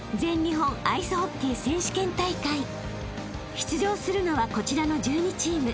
［出場するのはこちらの１２チーム］